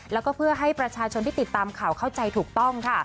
แล้วก็เพื่อให้ประชาชนที่ติดตามข่าวเข้าใจถูกต้องค่ะ